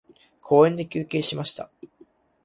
公園で休憩しました。